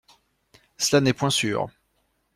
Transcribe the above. Cela n'est point sûr.